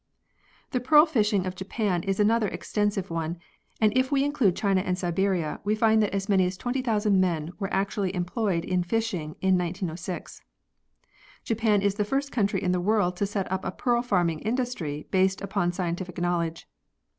The pearl fishing of Japan is another extensive one, and if we include China and Siberia we find that as many as 20,000 men were actually em ployed in fishing in 1906. Japan is the first country in the world to set up a pearl farming industry based upon scientific knowledge.